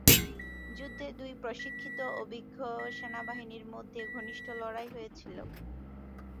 যুদ্ধে দুই প্রশিক্ষিত অভিজ্ঞ সেনাবাহিনীর মধ্যে ঘনিষ্ঠ লড়াই হয়েছিল।